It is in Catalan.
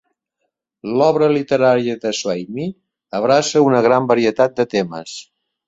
L'obra literària de Swamy abraça una gran varietat de temes.